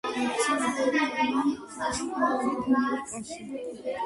გავრცელებული არიან ჩრდილოეთ ამერიკაში.